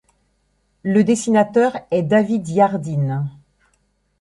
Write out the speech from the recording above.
Le dessinateur est David Yardin.